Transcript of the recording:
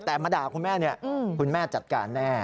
แต่มาด่าคุณแม่เนี่ยคุณแม่จัดการแน่